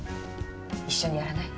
一緒にやらない？